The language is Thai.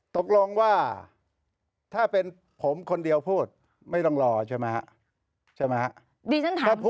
ตกลงว่าถ้าเป็นผมคนเดียวพูดไม่ต้องรอใช่ไหมครับใช่ไหมครับ